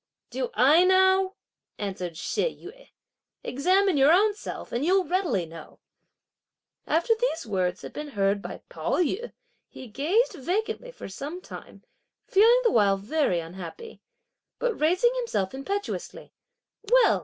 "Do I know?" answered She Yüeh, "examine your own self and you'll readily know!" After these words had been heard by Pao yü, he gazed vacantly for some time, feeling the while very unhappy; but raising himself impetuously: "Well!"